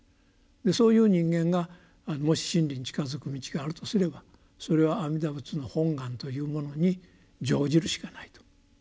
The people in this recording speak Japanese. そういう人間がもし真理に近づく道があるとすればそれは阿弥陀仏の本願というものに乗じるしかないと。